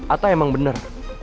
ata emang bener